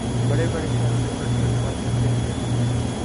بڑے بڑے شہروں میں چھوٹی چھوٹی باتیں ہوتی رہتی ہیں